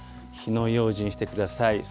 火の用心してください。